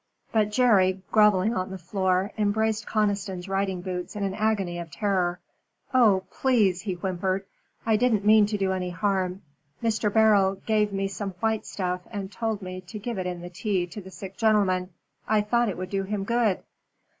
But Jerry, grovelling on the floor, embraced Conniston's riding boots in an agony of terror. "Oh, please," he whimpered, "I didn't mean to do any harm. Mr. Beryl gave me some white stuff and told me to give it in tea to the sick gentleman. I thought it would do him good!"